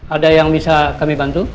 ada yang bisa kami bantu